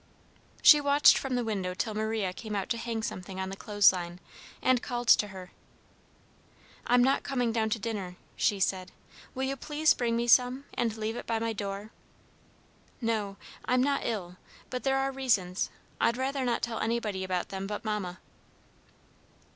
She watched from the window till Maria came out to hang something on the clothesline, and called to her. "I'm not coming down to dinner," she said. "Will you please bring me some, and leave it by my door? No, I'm not ill, but there are reasons. I'd rather not tell anybody about them but Mamma."